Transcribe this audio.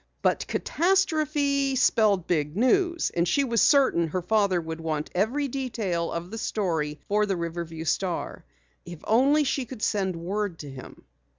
But catastrophe spelled Big News and she was certain her father would want every detail of the story for the Riverview Star. If only she could send word to him!